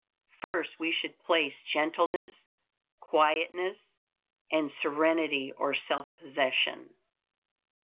First we should place gentleness, quietness, and serenity or self possession.